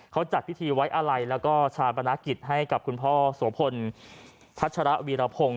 เขาจัดพิธีไว้อาลัยแล้วก็ชาปนกิจให้กับคุณพ่อโสพลพัชระวีรพงศ์